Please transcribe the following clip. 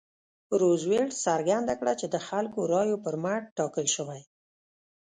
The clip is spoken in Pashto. روزولټ څرګنده کړه چې د خلکو رایو پر مټ ټاکل شوی.